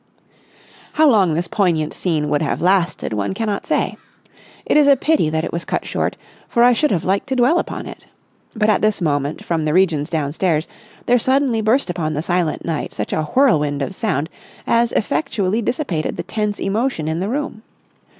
How long this poignant scene would have lasted, one cannot say. It is a pity that it was cut short, for I should have liked to dwell upon it. But at this moment, from the regions downstairs, there suddenly burst upon the silent night such a whirlwind of sound as effectually dissipated the tense emotion in the room.